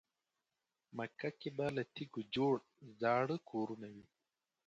مکه کې به له تیږو جوړ زاړه کورونه وي.